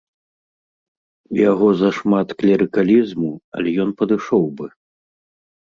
У яго зашмат клерыкалізму, але ён падышоў бы.